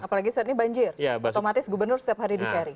apalagi saat ini banjir otomatis gubernur setiap hari dicari